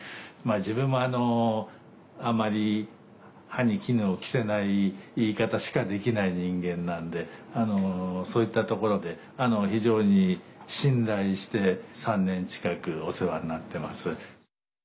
自分もあまり歯に衣を着せない言い方しかできない人間なんでそういったところで非常に信頼して３年近くお世話になってます。